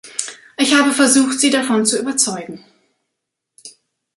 Ich habe versucht, Sie davon zu überzeugen.